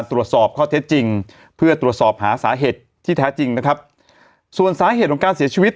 ตรวจสอบข้อเท็จจริงเพื่อตรวจสอบหาสาเหตุที่แท้จริงนะครับส่วนสาเหตุของการเสียชีวิต